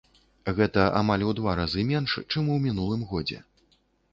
Гэта амаль у два разы менш, чым у мінулым годзе.